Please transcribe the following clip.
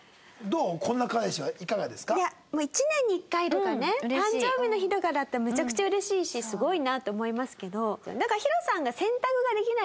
いや１年に１回とかね誕生日の日とかだったらめちゃくちゃうれしいしすごいなって思いますけど。